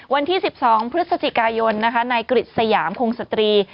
วันที่๑๒พฤศจิกายนในกริจสยามคงสตรี